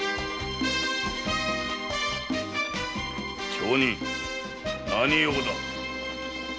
町人何用だ。